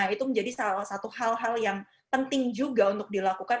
itu menjadi salah satu hal hal yang penting juga untuk dilakukan